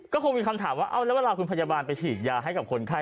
ก็คงมีคำถามว่าเอาแล้วเวลาคุณพยาบาลไปฉีดยาให้กับคนไข้